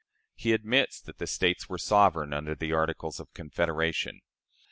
He admits that the States were sovereign under the Articles of Confederation.